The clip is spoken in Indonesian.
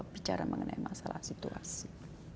bicara mengenai masalah situasi